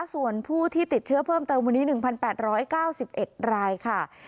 ส่วนผู้ที่ติดเชื้อเพิ่มเติมวันนี้๑๘๙๑รายค่ะ